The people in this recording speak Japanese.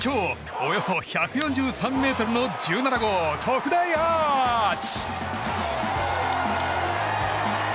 およそ１４３ｍの１７号特大アーチ！